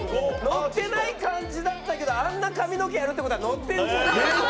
ッてない感じだったけどあんな髪の毛やるって事はノッてるじゃん。